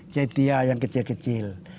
caitia yang kecil kecil